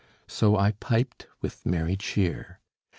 So I piped with merry cheer.